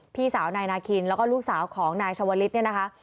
พี่สาวนายนาคินแล้วก็ลูกสาวของนายชาวลิศเนี่ยนะคะ